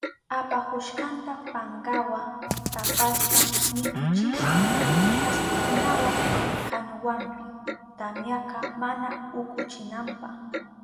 Apahushkanta pankawa tapashpan nitichishka kaspikunawa kanuwanpi, tamyaka mana ukuchinanpa.